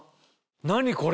何これ！